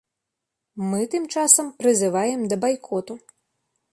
Мы, тым часам, прызываем да байкоту.